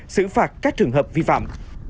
xử phạt các trường hợp vi phạm